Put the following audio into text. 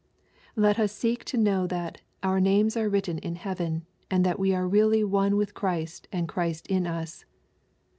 Let us seek to know that " our names are written in heaven," and that we are really one with Christ and Christ in us.